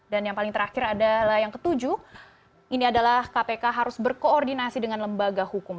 dan yang paling terakhir adalah yang ketujuh ini adalah kpk harus berkoordinasi dengan lembaga hukum